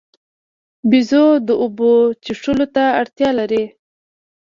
بیزو د اوبو څښلو ته اړتیا لري.